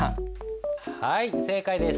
はい正解です。